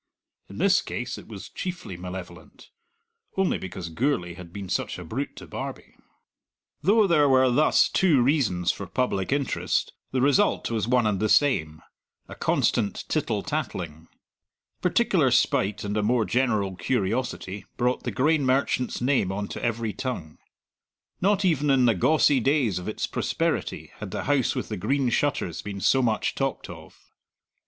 In this case it was chiefly malevolent only because Gourlay had been such a brute to Barbie. Though there were thus two reasons for public interest, the result was one and the same a constant tittle tattling. Particular spite and a more general curiosity brought the grain merchant's name on to every tongue. Not even in the gawcey days of its prosperity had the House with the Green Shutters been so much talked of.